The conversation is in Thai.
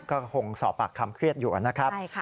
ก็คงสอบปากคำเครียดอยู่นะครับ